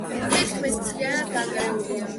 თითქმის მთლიანად დანგრეულია.